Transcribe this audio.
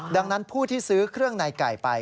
ดังนั้นผู้ที่ซื้อเครื่องในไก่ไป